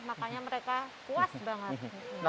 makanya mereka puas banget